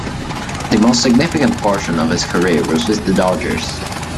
The most significant portion of his career was with the Dodgers.